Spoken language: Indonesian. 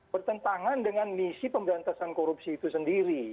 bertentangan dengan misi pemberantasan korupsi itu sendiri